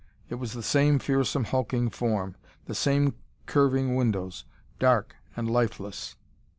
It was the same fearsome, hulking form. The same curving windows, dark and lifeless.